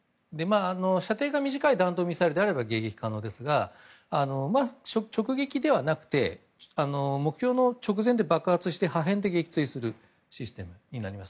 射程が短い弾道ミサイルならば迎撃可能ですが直撃ではなくて目標の直前で爆発して破片で撃墜するシステムになります。